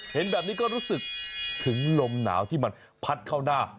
เห็นแบบนี้ก็รู้สึกถึงลมหนาวที่มันพัดเข้าหน้า